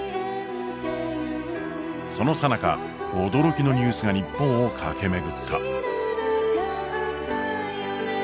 そのさなか驚きのニュースが日本を駆け巡った。